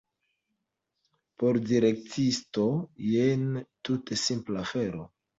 Por direktisto jen tute simpla afero.